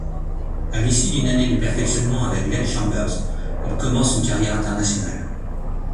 À l’issue d’une année de perfectionnement avec Glenn Chambers, il commence une carrière internationale.